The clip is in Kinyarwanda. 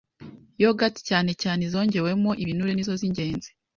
Yogourt cyane cyane izongewemo ibinure nizo z’ingenzi